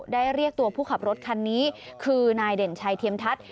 เรียกตัวผู้ขับรถคันนี้คือนายเด่นชัยเทียมทัศน์